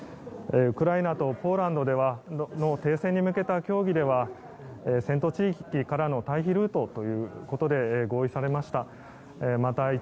ウクライナとポーランドでは停戦に向けた協議では戦闘地域からの退避ルートということで合意されました。